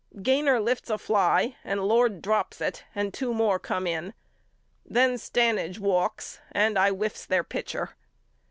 Gainor lifts a fly and 40 YOU KNOW ME AL Lord drops it and two more come in. Then Stanage walks and I whiffs their pitcher.